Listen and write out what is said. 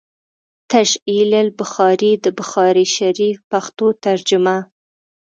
“ تشعيل البخاري” َد بخاري شريف پښتو ترجمه